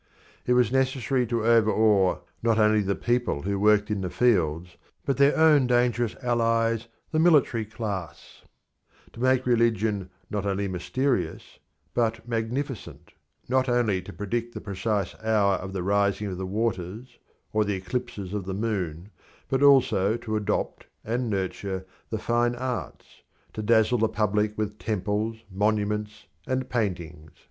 It was necessary to overawe not only the people who worked in the fields, but their own dangerous allies, the military class; to make religion not only mysterious but magnificent; not only to predict the precise hour of the rising of the waters, or the eclipses of the moon, but also to adopt and nurture the fine arts, to dazzle the public with temples, monuments, and paintings.